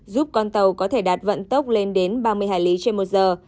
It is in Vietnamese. giúp con tàu có thể đạt vận tốc lên đến ba mươi hải lý trên một giờ